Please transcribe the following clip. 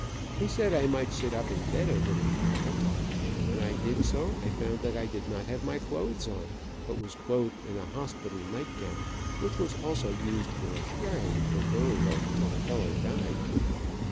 He said I might sit up in bed a little while, and when I did so I found that I did not have my clothes on, but was clothed in a hospital night gown, which was also used for a shroud for burial when a fellow died.